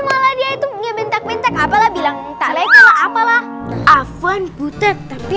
malah dia itu punya bentak bentak apalah bilang tak layak apalah afan butet tapi